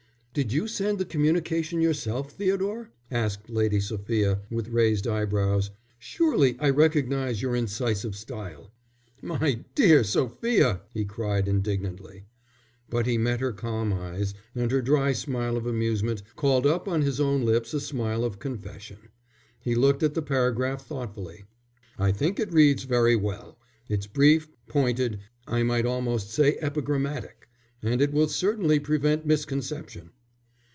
"Did you send the communication yourself, Theodore?" asked Lady Sophia, with raised eyebrows. "Surely I recognize your incisive style." "My dear Sophia," he cried, indignantly. But he met her calm eyes; and her dry smile of amusement called up on his own lips a smile of confession. He looked at the paragraph thoughtfully. "I think it reads very well. It's brief, pointed, I might almost say epigrammatic; and it will certainly prevent misconception."